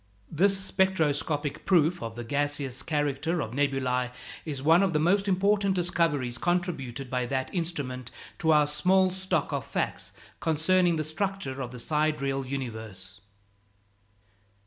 This spectroscopic proof of the gaseous character of nebulæ is one of the most important discoveries contributed by that instrument to our small stock of facts concerning the structure of the sidereal universe.